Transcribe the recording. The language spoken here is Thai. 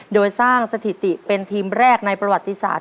โดยสร้างสถิติเป็นทีมแรกในประวัติศาสต